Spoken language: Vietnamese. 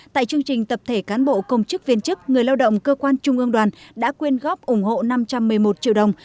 tại chương trình tập thể cán bộ công chức viên chức người lao động cơ quan trung ương đoàn đã quyên góp ủng hộ năm trăm một mươi một triệu đồng